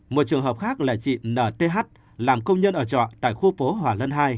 một trường hợp khác là chị nth làm công nhân ở trọ tại khu phố hòa lân hai